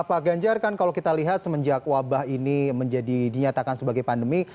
pak ganjar kan kalau kita lihat semenjak wabah ini menjadi dinyatakan sebagai pandemi